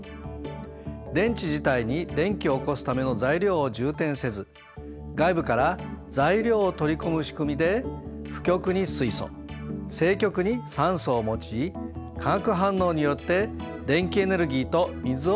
電池自体に電気を起こすための材料を充填せず外部から材料を取り込むしくみで負極に水素正極に酸素を用い化学反応によって電気エネルギーと水を生成するんだ。